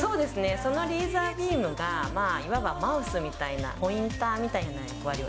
そのレーザービームが、まあ、いわばマウスみたいな、ポインターみたいな役割を